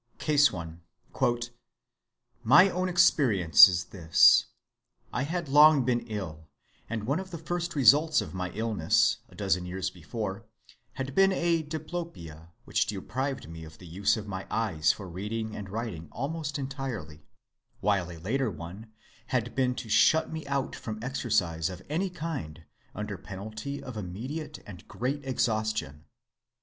CASE I. "My own experience is this: I had long been ill, and one of the first results of my illness, a dozen years before, had been a diplopia which deprived me of the use of my eyes for reading and writing almost entirely, while a later one had been to shut me out from exercise of any kind under penalty of immediate and great exhaustion.